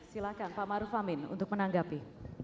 silahkan pak maruf amin untuk menanggapi